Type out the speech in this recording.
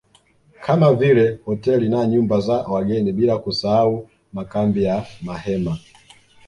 Kama vile hoteli na nyumba za wageni bila kusahau makambi ya mahema